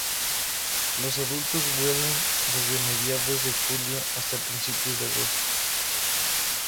Los adultos vuelan desde mediados de julio hasta principios de agosto.